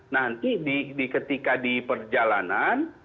nanti ketika di perjalanan